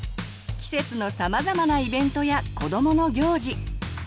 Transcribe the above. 季節のさまざまなイベントや子どもの行事。